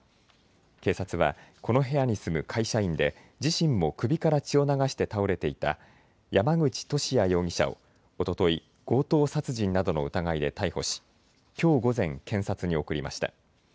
警察は、この部屋に住む会社員で自身も首から血を流して倒れていた山口利家容疑者をおととい強盗殺人などの疑いで逮捕しきょう午前、検察に送りました。